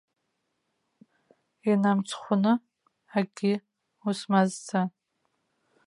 Инамцхәны акгьы усмазҵаан.